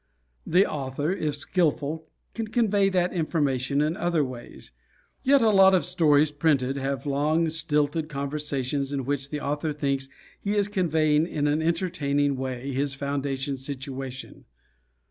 The author, if skillful, can convey that information in other ways. Yet a lot of stories printed have long, stilted conversations in which the author thinks he is conveying in an entertaining way his foundation situation.